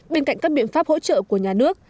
bên cạnh các biện pháp hỗ trợ của nhà nước